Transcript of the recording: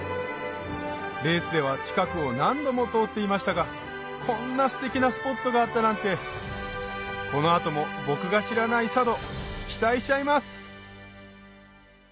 レースでは近くを何度も通っていましたがこんなステキなスポットがあったなんてこの後も僕が知らない佐渡期待しちゃいます